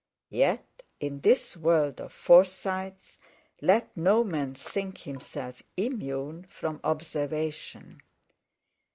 Yet in this world of Forsytes let no man think himself immune from observation.